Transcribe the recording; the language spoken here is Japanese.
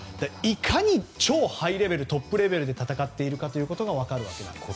いかに超ハイレベルトップレベルで戦っているかが分かるわけなんです。